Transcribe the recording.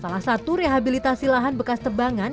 salah satu rehabilitasi lahan bekas tebangan